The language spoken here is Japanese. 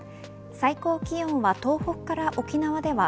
最高気温は東北から沖縄では